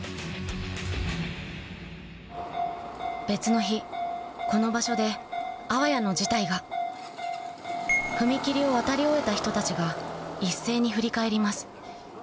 別の日この場所であわやの事態が踏切を渡り終えた人たちが一斉に振り返ります